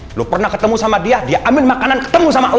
belum pernah ketemu sama dia dia ambil makanan ketemu sama allah